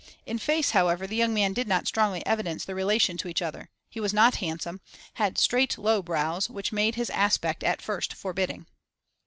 In face, however, the young man did not strongly evidence their relation to each other: he was not handsome, and had straight low brows, which made his aspect at first forbidding.